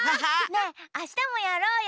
ねえあしたもやろうよ。